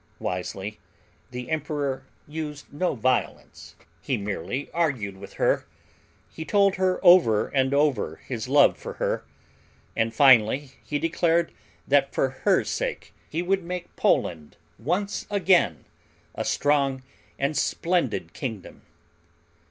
Wisely, the emperor used no violence. He merely argued with her; he told her over and over his love for her; and finally he declared that for her sake he would make Poland once again a strong and splendid kingdom.